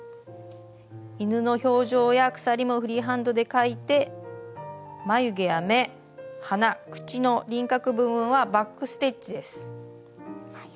犬の表情や鎖もフリーハンドで描いて眉毛や目鼻口の輪郭部分はバック・ステッチです。